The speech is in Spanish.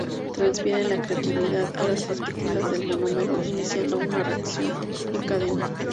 Transfieren la reactividad a las partículas de monómero iniciando una reacción en cadena.